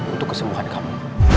untuk kesembuhan kamu